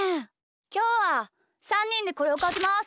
きょうは３にんでこれをかきます！